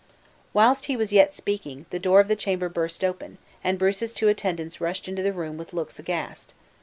Whilst he was yet speaking, the door of the chamber burst open, and Bruce's two attendants rushed into the room with looks aghast.